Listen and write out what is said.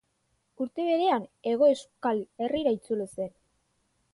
Urte berean Hego Euskal Herrira itzuli zen.